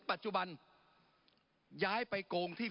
ปรับไปเท่าไหร่ทราบไหมครับ